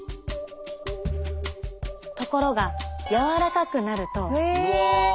ところが柔らかくなると。